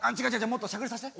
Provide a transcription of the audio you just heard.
もっとしゃくれさせて。